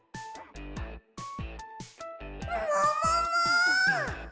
ももも！